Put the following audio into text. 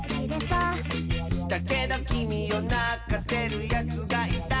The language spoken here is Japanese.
「だけどきみをなかせるやつがいたら」